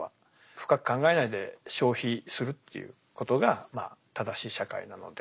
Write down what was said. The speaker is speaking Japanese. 深く考えないで消費するっていうことが正しい社会なので。